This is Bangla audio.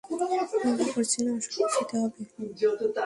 মজা করছি না, আসলেই যেতে হবে।